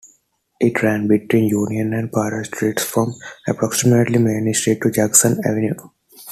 It ran between Union and Prior Streets from approximately Main Street to Jackson Avenue.